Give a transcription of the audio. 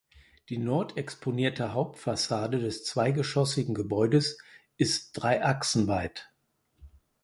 Die nordexponierte Hauptfassade des zweigeschossigen Gebäudes ist drei Achsen weit.